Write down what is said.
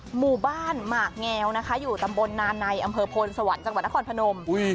หมู่บ้านหมากแงวนะคะอยู่ตำบลนานในอำเภอโพนสวรรค์จังหวัดนครพนม